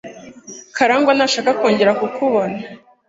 Karangwa ntashaka kongera kukubona.